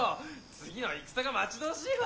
次の戦が待ち遠しいわ！